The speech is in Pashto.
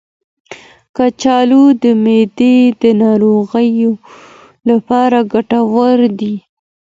کچالو د معدې د ناروغیو لپاره ګټور دی.